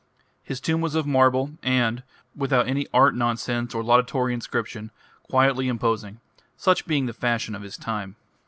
His tomb was of marble, and, without any art nonsense or laudatory inscription, quietly imposing such being the fashion of his time.